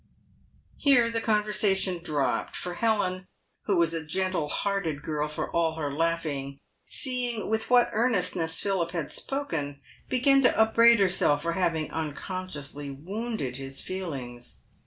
Here the conversation dropped, for Helen, who was a gentle hearted girl for all her laughing, seeing with what earnestness Philip had spoken, began to upbraid herself for having unconsciously wounded his feelings.